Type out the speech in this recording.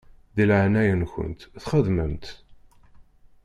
Di leɛnaya-nkent xedmemt-t.